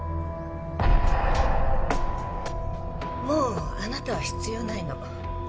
もうあなたは必要ないの。